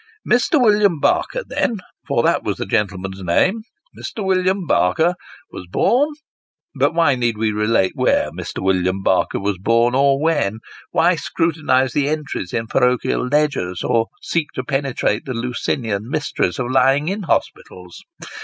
Mr. William Barker, then, for that was the gentleman's name, Mr. William Barker was born but why need we relate where Mr. William Barker wag born, or when ? Why scrutinise the entries in parochial ledgers, or seek to penetrate the Lucinian mysteries of lying in hospitals